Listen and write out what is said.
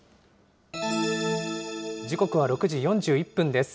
時刻は６時４１分です。